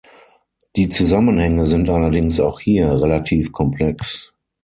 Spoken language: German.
Die Zusammenhänge sind allerdings auch hier relativ komplex.